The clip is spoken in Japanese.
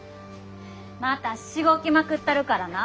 またシゴキまくったるからな。